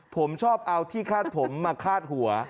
ผมชอบเอาที่คาดผมมาคาดหัว